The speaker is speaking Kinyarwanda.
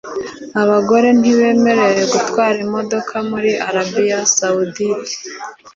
Abagore ntibemerewe gutwara imodoka muri Arabiya Sawudite